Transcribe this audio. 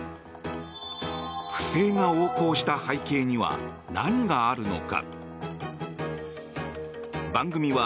不正が横行した背景には何があるのか。